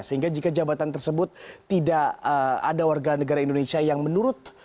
sehingga jika jabatan tersebut tidak ada warga negara indonesia yang menurut